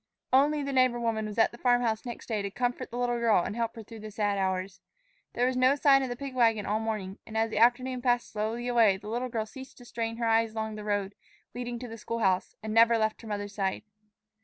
ONLY the neighbor woman was at the farm house next day to comfort the little girl and help her through the sad hours. There was no sign of the pig wagon all morning, and as the afternoon passed slowly away the little girl ceased to strain her eyes along the road leading to the school house, and never left her mother's side.